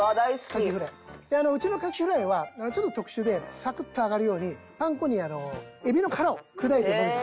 うちの牡蠣フライはちょっと特殊でサクッと揚がるようにパン粉にエビの殻を砕いて混ぜてますね。